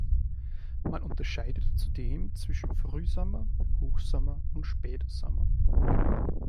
Man unterscheidet zudem zwischen Frühsommer, Hochsommer und Spätsommer.